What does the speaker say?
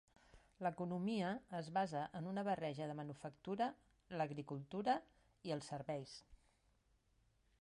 L'economia es basa en una barreja de manufactura, l'agricultura i els serveis.